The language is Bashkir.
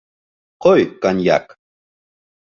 Ҡой коньяк!